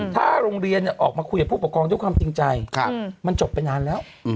ถ้าโรงเรียนออกมาคุยกับผู้ปกครองด้วยความจริงใจมันจบไปนานแล้ว